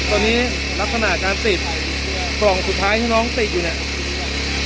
ตอนนี้ลักษณะการติดกล่องสุดท้ายที่น้องติดอยู่เนี่ย